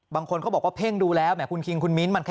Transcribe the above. บางคนเขาบอกว่าเพ่งดูแล้วแหมคุณคิงคุณมิ้น